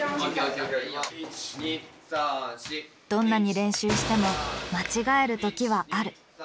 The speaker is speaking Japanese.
どんなに練習しても間違える時はある。